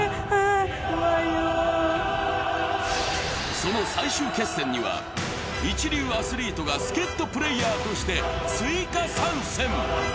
その最終決戦には、一流アスリートが助っとプレーヤーとして追加参戦。